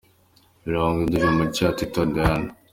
Birangwa, indirimbo nshya ya Teta Diana.